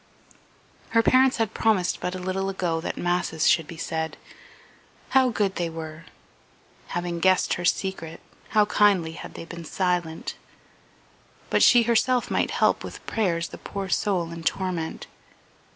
Her parents had promised but a little ago that masses should be said. How good they were! Having guessed her secret how kindly had they been silent! But she herself might help with prayers the poor soul in torment.